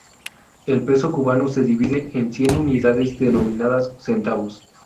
El peso cubano se divide en cien unidades denominadas centavos.